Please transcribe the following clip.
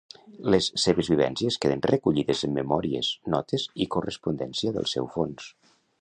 Les seves vivències queden recollides en memòries, notes i correspondència del seu fons.